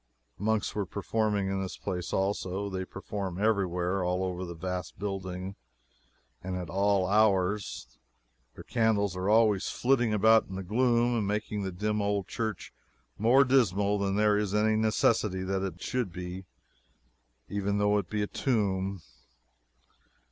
Monks were performing in this place also. They perform everywhere all over the vast building, and at all hours. Their candles are always flitting about in the gloom, and making the dim old church more dismal than there is any necessity that it should be, even though it is a tomb.